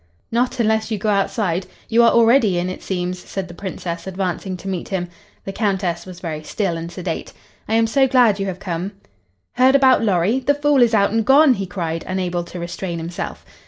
"Not unless you go outside. You are already in, it seems," said the Princess, advancing to meet him. The Countess was very still and sedate. "I am so glad you have come." "Heard about Lorry? The fool is out and gone," he cried, unable to restrain himself.